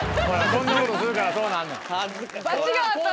そんなことするからそうなんの。